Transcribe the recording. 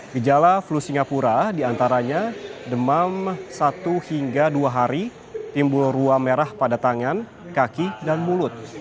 gejala flu singapura diantaranya demam satu hingga dua hari timbul ruam merah pada tangan kaki dan mulut